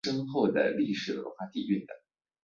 缅甸童军总会为缅甸的国家童军组织。